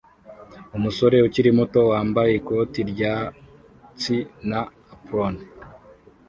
Umusore ukiri muto wambaye ikoti ryatsi na apron